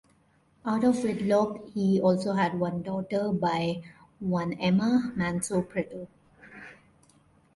Out of wedlock, he also had one daughter by one Ema Manso Preto.